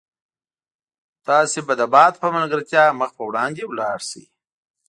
تاسي به د باد په ملګرتیا مخ په وړاندې ولاړ شئ.